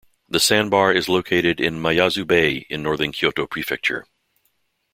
The sandbar is located in Miyazu Bay in northern Kyoto Prefecture.